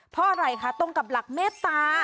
เพราะอะไรคะตรงกับหลักเมตตา